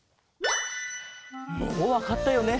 もうわかったよね？